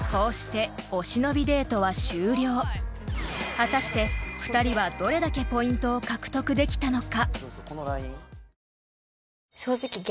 ［果たして２人はどれだけポイントを獲得できたのか］